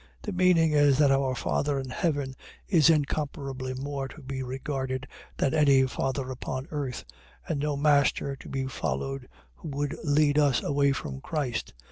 .The meaning is that our Father in heaven is incomparably more to be regarded, than any father upon earth: and no master to be followed, who would lead us away from Christ.